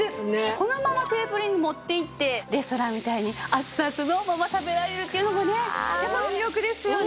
そのままテーブルに持っていってレストランみたいに熱々のまま食べられるっていうのもねやっぱ魅力ですよね。